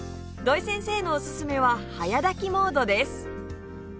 土井先生のおすすめは「早炊きモード」です